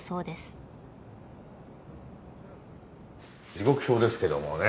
時刻表ですけどもね。